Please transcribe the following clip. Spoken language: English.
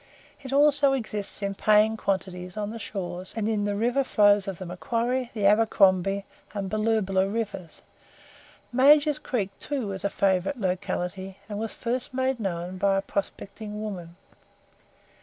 It also exists in paying quantities on the shores and in the rive flows of the Macquarie, the Abercrombie, and Belubula rivers. Major's Creek, too, is a favourite locality, and was first made known by a prospecting woman.